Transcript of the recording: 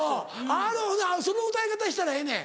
あぁじゃあその歌い方したらええねん。